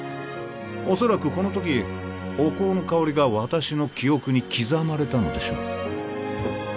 おそらくこの時お香の香りが私の記憶に刻まれたのでしょう